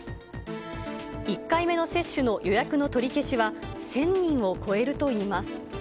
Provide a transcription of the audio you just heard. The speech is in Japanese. １回目の接種の予約の取り消しは１０００人を超えるといいます。